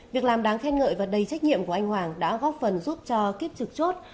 việc làm đáng khen ngợi và đầy trách nhiệm của anh hoàng đã góp phần giúp cho kiếp trực chốt